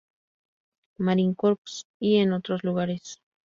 Marine Corps y en otros lugares.